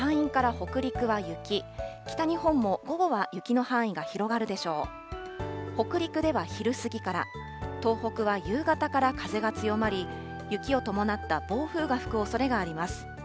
北陸では昼過ぎから、東北は夕方から風が強まり、雪を伴った暴風が吹くおそれがあります。